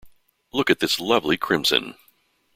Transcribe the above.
Look at this lovely crimson!